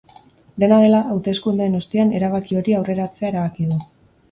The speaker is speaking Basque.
Dena dela, hauteskundeen ostean erabaki hori aurreratzea erabaki du.